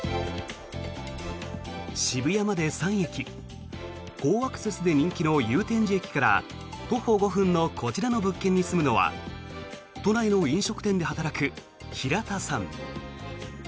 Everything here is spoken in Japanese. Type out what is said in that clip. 渋谷まで３駅好アクセスで人気の祐天寺駅から徒歩５分のこちらの物件に住むのは都内の飲食店で働く平田さん。